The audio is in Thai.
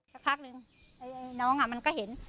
สักพักนึงน้องมันก็เห็น